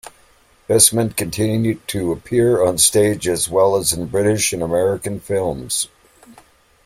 Esmond continued to appear on stage as well as in British and American films.